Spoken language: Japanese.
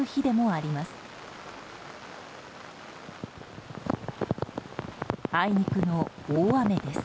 あいにくの大雨です。